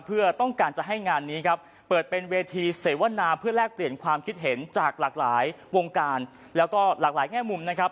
เพื่อต้องการจะให้งานนี้ครับเปิดเป็นเวทีเสวนาเพื่อแลกเปลี่ยนความคิดเห็นจากหลากหลายวงการแล้วก็หลากหลายแง่มุมนะครับ